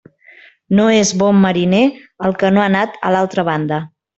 No és bon mariner el que no ha anat a l'altra banda.